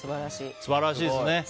素晴らしいですね